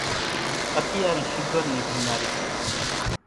اتيارين شُگر نِي ڀيمارِي سي۔